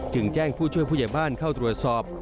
จึงแจ้งผู้ช่วยผู้ใหญ่บ้านเข้าตรวจสอบ